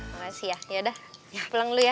makasih ya yaudah pulang dulu ya